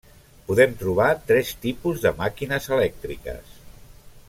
Podem trobar tres tipus de màquines elèctriques.